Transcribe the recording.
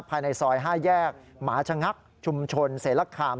ภายในซอย๕แยกหมาชะงักชุมชนเสรคาม